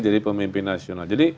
jadi pemimpin nasional